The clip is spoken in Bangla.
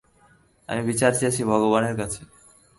আমি বিচার চেয়েছি ভগবানের কাছে।